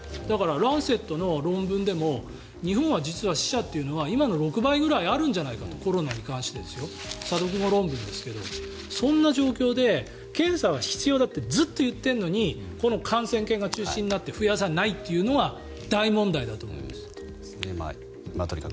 だから「ランセット」の論文でも日本は実は死者は今の６倍ぐらいあるんじゃないかとコロナに関してですよ。査読論文ですけどそんな状況で検査は必要だって言ってるのにこの感染研が中心になって増やさないのは大問題だと思います。